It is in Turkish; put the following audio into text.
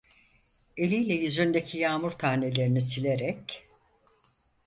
Eliyle yüzündeki yağmur tanelerini silerek: